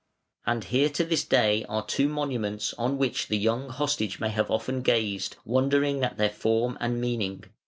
And here to this day are two monuments on which the young hostage may have often gazed, wondering at their form and meaning.